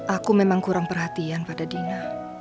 aku memang kurang perhatian pada dina